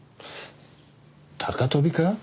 高飛びか？